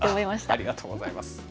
ありがとうございます。